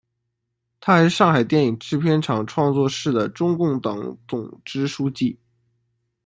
她还是上海电影制片厂创作室的中共党总支书记。